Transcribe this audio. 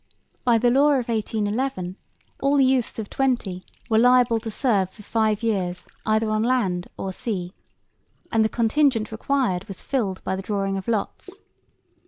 By the law of 1811 all youths of twenty were liable to serve for five years either on land or sea; and the contingent required was filled by the drawing of lots.